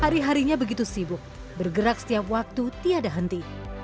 hari harinya begitu sibuk bergerak setiap waktu tiada henti